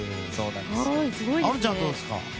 あのちゃん、どうですか？